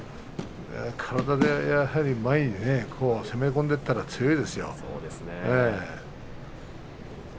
体で前に攻め込んでいったら強いですよ。